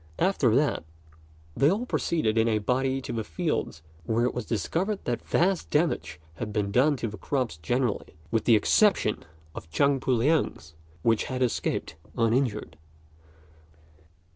After that, they all proceeded in a body to the fields, where it was discovered that vast damage had been done to the crops generally, with the exception of Chang Pu liang's, which had escaped uninjured.